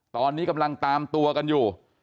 ตอนนี้กำลังตามตัวกันอยู่